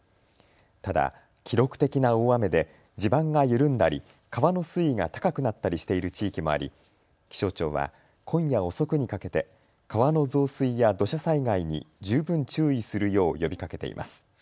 ただ記録的な大雨で地盤が緩んだり、川の水位が高くなったりしている地域もあり気象庁は今夜遅くにかけて川の増水や土砂災害に十分注意するよう呼びかけています。